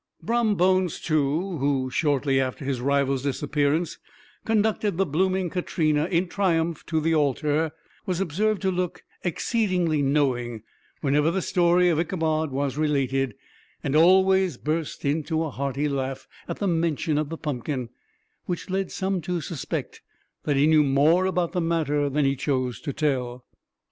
Brom Bones too, who, shortly after his rival's disappearance, conducted the blooming Katrina in triumph to the altar, was observed to look exceedingly knowing whenever the story of Ichabod was related, and always burst into a hearty laugh at the mention of the pumpkin; which led some to suspect that he knew more about the matter than he chose to tell.